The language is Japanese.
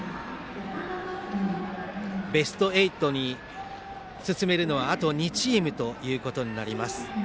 ベスト８に進めるのはあと２チームとなります。